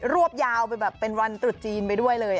วบยาวไปแบบเป็นวันตรุษจีนไปด้วยเลย